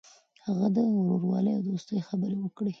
هغه د ورورولۍ او دوستۍ خبرې وکړې.